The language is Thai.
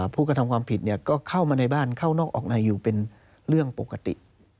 ผู้กระทำความผิดก็เข้ามาในบ้านเข้านอกออกในอยู่เป็นเรื่องปกติ